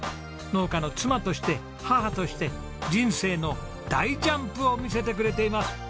農家の妻として母として人生の大ジャンプを見せてくれています。